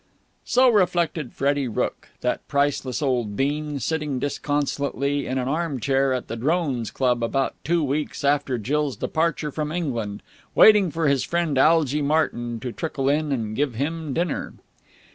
So reflected Freddie Rooke, that priceless old bean, sitting disconsolately in an arm chair at the Drones Club about two weeks after Jill's departure from England, waiting for his friend Algy Martyn to trickle in and give him dinner.